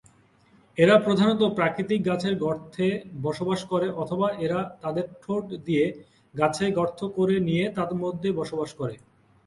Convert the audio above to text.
এরা প্রধানত প্রাকৃতিক গাছের গর্তে বসবাস করে অথবা এরা তাদের ঠোঁট দিয়ে গাছে গর্ত করে নিয়ে তার মধ্যে বসবাস করে।